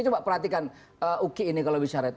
coba perhatikan uki ini kalau bicara